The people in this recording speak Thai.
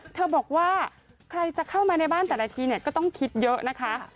เธอบอกว่าใครจะเข้ามาในบ้านแต่ละทีเนี่ยก็ต้องคิดเยอะนะคะ